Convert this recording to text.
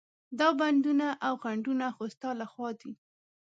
دا بندونه او خنډونه خو ستا له خوا دي.